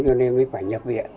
cho nên mới phải nhập viện